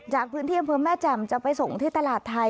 จากพื้นที่อำเภอแม่แจ่มจะไปส่งที่ตลาดไทย